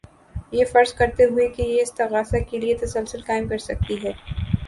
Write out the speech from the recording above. یہ فرض کرتے ہوئے کہ یہ استغاثہ کے لیے تسلسل قائم کر سکتی ہے